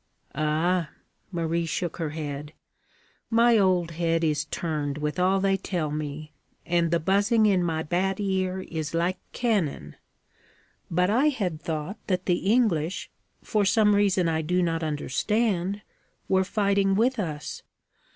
'Ah!' Marie shook her head. 'My old head is turned with all they tell me, and the buzzing in my bad ear is like cannon. But I had thought that the English, for some reason I do not understand, were fighting with us.